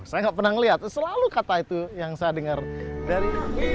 saya nggak pernah melihat selalu kata itu yang saya dengar dari